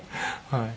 はい。